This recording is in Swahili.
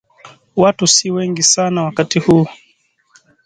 Watu si wengi sana wakati huu